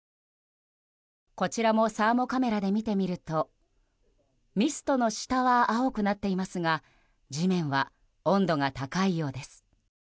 こちらもサーモカメラで見てみるとミストの下は青くなっていますが地面は温度が高いようです。